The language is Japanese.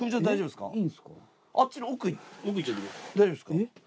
大丈夫ですか？